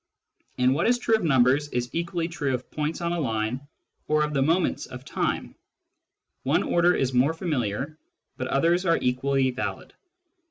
And what is true of numbers is equally true of points on a line or of the moments of time : one order is more familiar, but others are equally valid.